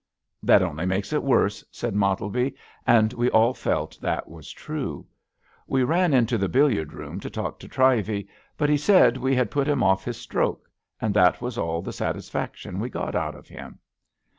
''That only makes it worse," said Mottleby; and we all felt that was true. We ran into the billiard room to talk to Trivey, but he said we had put him oflf his stroke; and that was all the satisfac tion we got out of him.